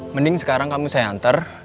mending sekarang kamu saya anter